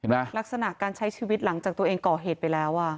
ลักษณะการใช้ชีวิตหลังจากตัวเองก่อเหตุไปแล้วอ่ะ